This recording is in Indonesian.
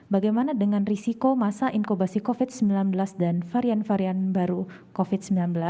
bagaimana dengan risiko masa inkubasi covid sembilan belas dan varian varian baru covid sembilan belas